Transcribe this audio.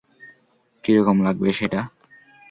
কীরকম লাগবে সেটা?